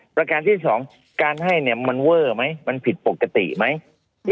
ประการที่สองการให้มันเว่อไหมมันผิดปกติไหม